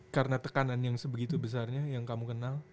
karena tekanan yang sebegitu besarnya yang kamu kenal